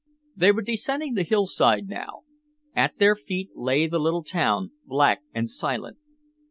They were descending the hillside now. At their feet lay the little town, black and silent.